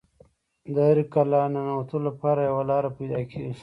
د هرې کلا د ننوتلو لپاره یوه لاره پیدا کیږي